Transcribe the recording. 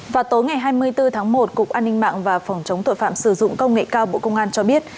vào tối ngày hai mươi bốn tháng một cục an ninh mạng và phòng chống tội phạm sử dụng công nghệ cao bộ công an cho biết